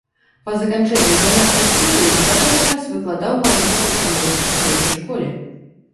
Па заканчэнні заняткаў у студыі некаторы час выкладаў малюнак у чарнігаўскай сярэдняй школе.